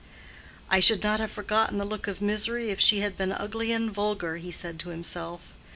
"I should not have forgotten the look of misery if she had been ugly and vulgar," he said to himself.